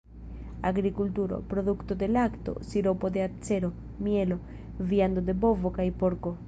Agrikulturo: produkto de lakto, siropo de acero, mielo, viando de bovo kaj porko.